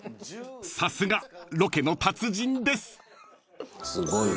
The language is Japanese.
［さすがロケの達人です］